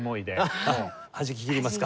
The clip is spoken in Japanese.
はじききりますか？